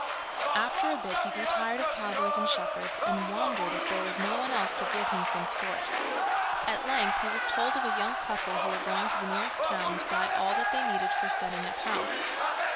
After a bit he grew tired of cowboys and shepherds, and wondered if there was no one else to give him some sport. At length he was told of a young couple who were going to the nearest town to buy all that they needed for setting up house.